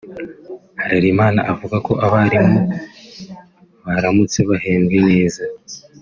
Harerimana avuga ko abarimu baramutse bahembwe neza